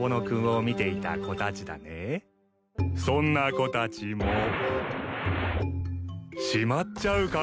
そんな子たちもしまっちゃうからね。